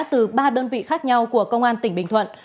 từ ba đơn vị khác nhau của công an tỉnh bình thuận